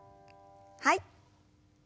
はい。